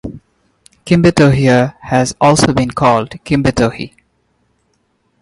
"Kimbetohia" has also been called "Kimbetohi".